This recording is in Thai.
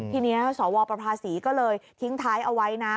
ทีนี้สวประภาษีก็เลยทิ้งท้ายเอาไว้นะ